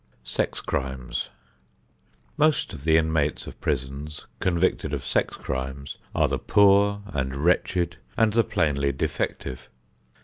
XI SEX CRIMES Most of the inmates of prisons convicted of sex crimes are the poor and wretched and the plainly defective.